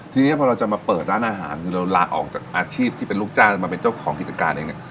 ทีนี้พอเราจะมาเปิดร้านอาหารคือเราลาออกจากอาชีพที่เป็นลูกจ้างมาเป็นเจ้าของกิจการเองเนี่ย